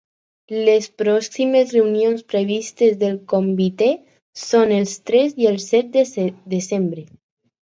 Les pròximes reunions previstes del comitè són el tres i el set de desembre.